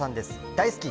大好き！